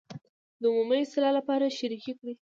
د عمومي اصلاح لپاره شریکې کړي.